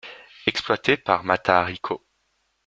Exploité par Matahari Co.